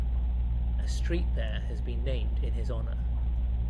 A street there has been named in his honor.